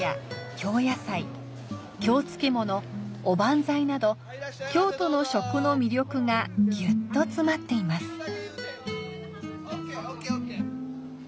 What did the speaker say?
おばんざいなど京都の食の魅力がぎゅっと詰まっています。